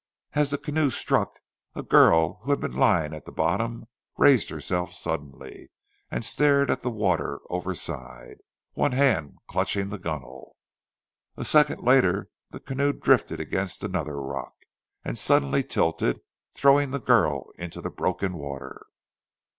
As the canoe struck, a girl who had been lying at the bottom, raised herself suddenly, and stared at the water overside, one hand clutching the gunwale. A second later the canoe drifted against another rock and suddenly tilted, throwing the girl into the broken water.